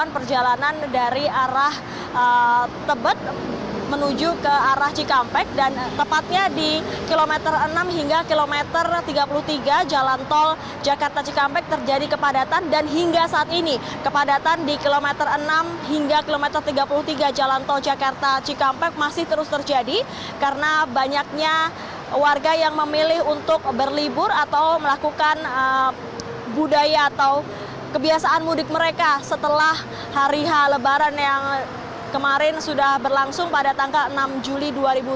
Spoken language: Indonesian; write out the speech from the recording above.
pertama ini adalah kisah lebaran yang kemarin sudah berlangsung pada tanggal enam juli dua ribu enam belas